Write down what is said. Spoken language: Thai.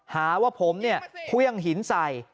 หาว่าผมเนี่ยเขี้ยงหินใส่